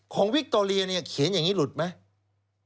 วิคโตเรียเนี่ยเขียนอย่างนี้หลุดไหม